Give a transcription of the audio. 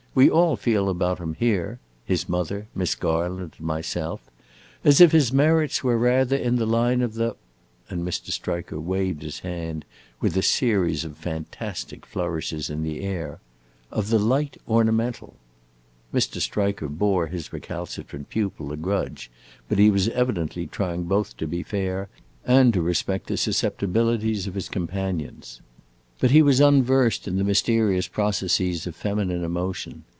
We all feel about him here his mother, Miss Garland, and myself as if his merits were rather in the line of the" and Mr. Striker waved his hand with a series of fantastic flourishes in the air "of the light ornamental!" Mr. Striker bore his recalcitrant pupil a grudge, but he was evidently trying both to be fair and to respect the susceptibilities of his companions. But he was unversed in the mysterious processes of feminine emotion.